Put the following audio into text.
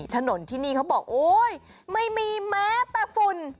ถนนที่นี่เขาบอกโอ๊ยไม่มีแม้แต่ฝุ่น